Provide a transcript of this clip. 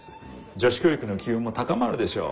女子教育の機運も高まるでしょう。